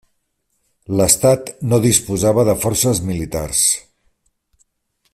L'estat no disposava de forces militars.